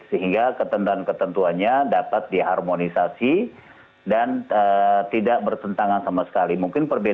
sehingga ketentuan ketentuannya dapat diharmonisasi dan tidak bertentangan sama sekali